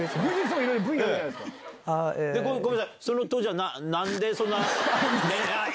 ごめんなさい。